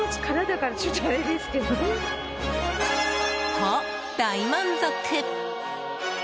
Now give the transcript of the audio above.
と、大満足。